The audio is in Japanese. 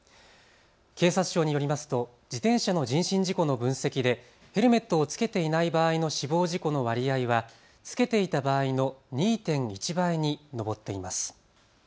警察庁によりますと自転車の人身事故の分析でヘルメットをつけていない場合の死亡事故の割合はつけていた場合の２．１倍に上っています。